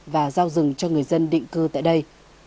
và giao rừng cho người dân định cư tại đây